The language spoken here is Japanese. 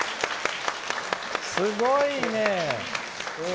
すごいね。